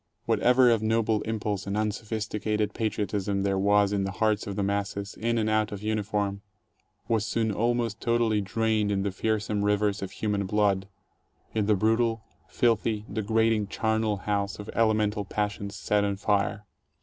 Whatever of noble impulse and unsophisticated patriot ism there was in the hearts of the masses, in and out of uniform, was soon almost totally drained in the fearsome rivers of human blood, in the brutal, filthy, degrading charnel house of elemental passions set on fire.